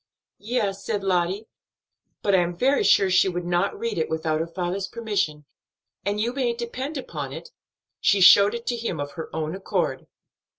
"Yes," said Lottie, "but I am very sure she would not read it without her father's permission, and you may depend upon it, she showed it to him of her own accord."